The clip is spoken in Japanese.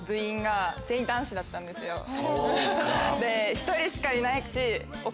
１人しかいないし。